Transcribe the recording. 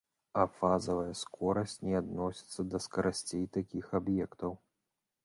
А фазавая скорасць не адносіцца да скарасцей такіх аб'ектаў.